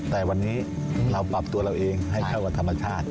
แต่วันนี้เราปรับตัวเราเองให้เข้ากับธรรมชาติ